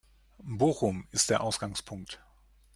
Bochum ist der Ausgangpunkt